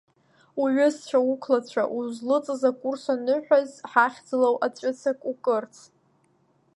Уҩызцәа, уқәлацәа узлыҵыз акурс аныҳәаз ҳахьӡала аҵәыцак укырц!